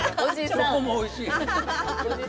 チョコもおいしい。